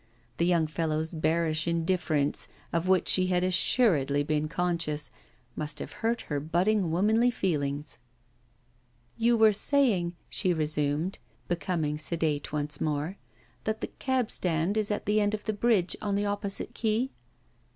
The young fellow's bearish indifference, of which she had assuredly been conscious, must have hurt her budding womanly feelings. 'You were saying,' she resumed, becoming sedate once more, 'that the cabstand is at the end of the bridge on the opposite quay?